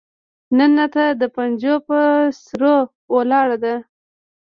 نن راته د پنجو پهٔ سرو ولاړه ده